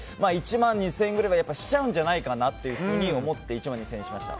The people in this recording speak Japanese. １万２０００円くらいはしちゃうんじゃないかなと思って１万２０００円にしました。